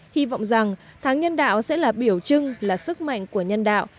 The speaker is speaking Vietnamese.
hy vọng rằng tháng nhân đạo sẽ là biểu trưng là sức mạnh của nhân đạo